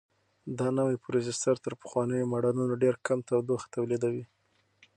دا نوی پروسیسر تر پخوانیو ماډلونو ډېر کم تودوخه تولیدوي.